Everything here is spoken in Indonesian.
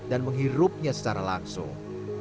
dan menghirupnya secara langsung